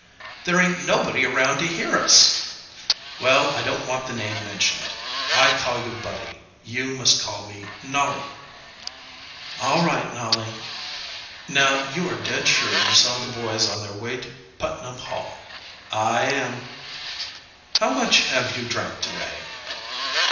"There ain't anybody around here to hear us!" "Well, I don't want the name mentioned. I call you Buddy. You must call me Nolly." "All right, Nolly." "Now, you are dead sure you saw the boys on their way to Putnam Hall?" "I am." "How much have you drank today?"